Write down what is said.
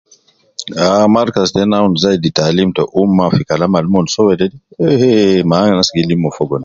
Ah markaz tena awun zaidi taalim ta umma ,fi kalam al mon soo wede, eh eh, mal anas gi lim mon fogo